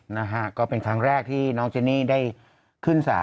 นะฮะก็เป็นครั้งแรกที่น้องเจนี่ได้ขึ้นสาร